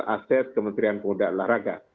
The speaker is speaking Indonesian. aset kementerian pemuda olahraga